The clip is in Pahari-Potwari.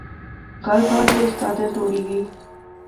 گل بعضے استادیں توڑی گئی